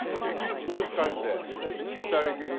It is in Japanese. もしかして２人きり？